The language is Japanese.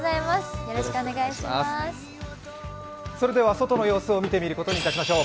外の様子を見てみることにしましょう。